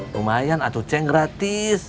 lumayan atu ceng gratis